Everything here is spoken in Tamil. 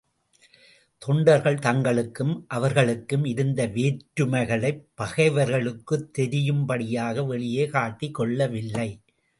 தொண்டர்கள் தங்களுக்கும் அவர்களுக்கும் இருந்த வேற்றுமைகளைப் பகைவர்களுக்குத் தெரியும்படியாக வெளியே காட்டிக் கொள்ளவில்லை.